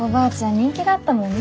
人気だったもんね